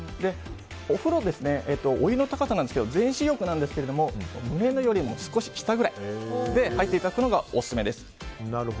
お風呂、お湯の高さなんですけど全身浴なんですけど胸よりも少し下ぐらいで入っていただくのがオススメです。